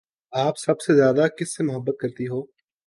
آپ سب سے زیادہ کس سے محبت کرتی ہو؟